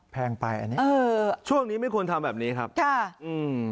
แพงไปอันนี้เออช่วงนี้ไม่ควรทำแบบนี้ครับค่ะอืม